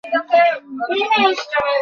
আপনারা তো আমার মাতা-পিতার মতো।